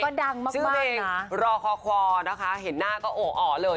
ตอนนี้ก็ดังมากน่ะชื่อเพลงรอคอนะคะเห็นหน้าก็โอ๋เลย